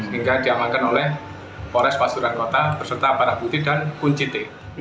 hingga diamankan oleh polres pasuran kota berserta para putih dan kunci t